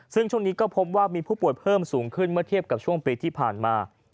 ซึ่งช่วงนี้ก็พบว่ามีผู้ป่วยเพิ่มสูงขึ้นเมื่อเทียบกับช่วงปีที่ผ่านมา